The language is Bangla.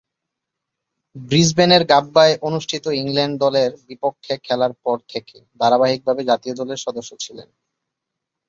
ব্রিসবেনের গাব্বায় অনুষ্ঠিত ইংল্যান্ড দলের বিপক্ষে খেলার পর থেকে ধারাবাহিকভাবে জাতীয় দলের সদস্য ছিলেন।